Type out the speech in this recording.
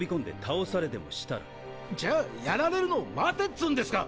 じゃやられるのを待てっつうんですか